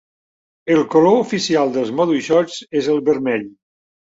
El color oficial dels Maduixots és el vermell.